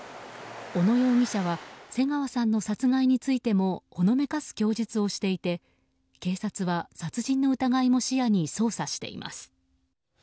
小野容疑者は瀬川さんの殺害についてもほのめかす供述をしていて警察は殺人の疑いも視野に捜査しています。